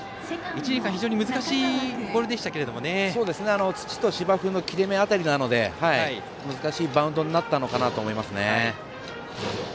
非常に難しいボールでしたけど芝と土の切れ目だったので難しいバウンドになったのかなと思います。